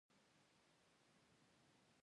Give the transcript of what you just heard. د احمد پر بد وضيعت مې سترګې پټې کړې.